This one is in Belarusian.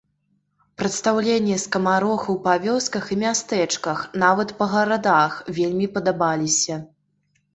Прадстаўленні скамарохаў па вёсках і мястэчках, нават па гарадах, вельмі падабаліся.